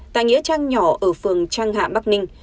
tại nghĩa trang nhỏ ở phường trang hạ bắc ninh